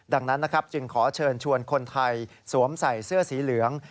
ดังนั้นนะครับจึงขอเชิญชวนคนไทยสวมใส่เสื้อสีเหลือง